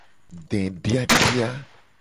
Dediadia.